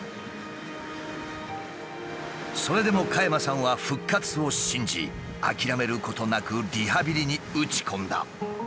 それでも加山さんは復活を信じ諦めることなくリハビリに打ち込んだ。